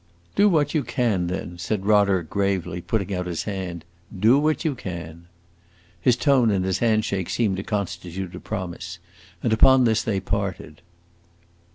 "Do what you can, then," said Roderick gravely, putting out his hand. "Do what you can!" His tone and his hand shake seemed to constitute a promise, and upon this they parted.